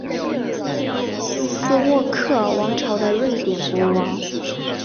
斯渥克尔王朝的瑞典国王。